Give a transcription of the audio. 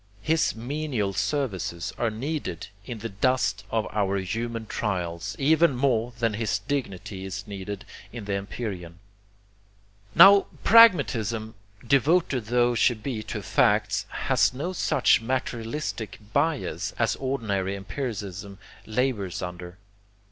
His menial services are needed in the dust of our human trials, even more than his dignity is needed in the empyrean. Now pragmatism, devoted tho she be to facts, has no such materialistic bias as ordinary empiricism labors under.